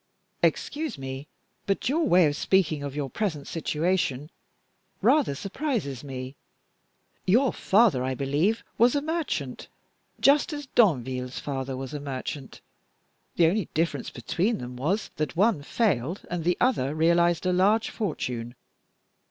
"Excuse me, but your way of speaking of your present situation rather surprises me. Your father, I believe, was a merchant, just as Danville's father was a merchant; the only difference between them was that one failed and the other realized a large fortune.